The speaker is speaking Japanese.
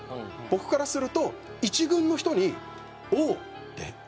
僕からすると１軍の人に「おお」って言えた。